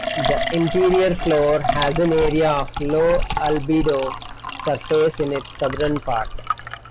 The interior floor has an area of low-albedo surface in its southern part.